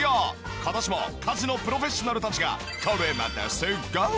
今年も家事のプロフェッショナルたちがこれまたすっごい